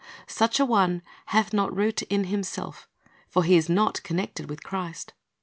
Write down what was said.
Such a one "hath not root in himself;" for he is not connected with Christ.